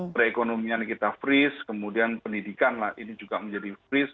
perekonomian kita freeze kemudian pendidikan ini juga menjadi freeze